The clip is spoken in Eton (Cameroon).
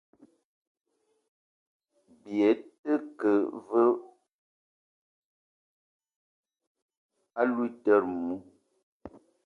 Byi te ke ve aloutere mou ?